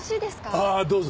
ああどうぞ。